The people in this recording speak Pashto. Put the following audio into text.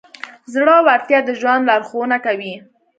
زړهورتیا د ژوند لارښوونه کوي.